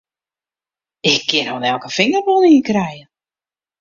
Ik kin oan elke finger wol ien krije!